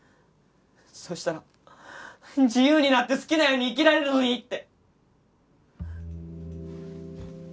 そしたら自由になって好きなように生きられるのにって。